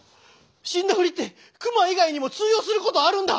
死んだふりって熊以外にも通用することあるんだ！